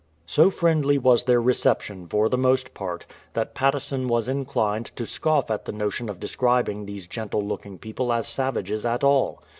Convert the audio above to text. So friendly was their reception for the most part, that Patteson was inclined to scoff at the notion of describing these gentle looking people as savages at all.